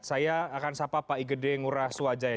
saya akan sapa pak igede ngura suwajaya